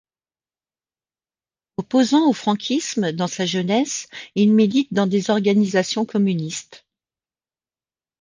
Opposant au franquisme dans sa jeunesse, il milite dans des organisations communistes.